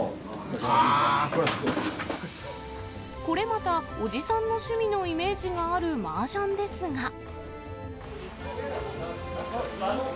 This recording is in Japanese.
これまた、おじさんの趣味のイメージがあるマージャンですが。